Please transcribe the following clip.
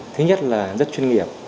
thứ nhất là rất chuyên nghiệp